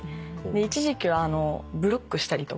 一時期はブロックしたりとか。